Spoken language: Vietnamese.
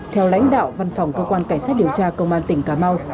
theo lãnh đạo văn phòng cơ quan cảnh sát điều tra công an tỉnh cà mau